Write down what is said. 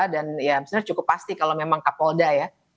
saya cukup pasti kalau memang kapolda ya